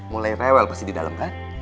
mulai rewel pasti di dalam kan